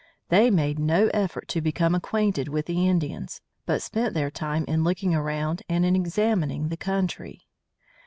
They made no effort to become acquainted with the Indians, but spent their time in looking around and in examining the country.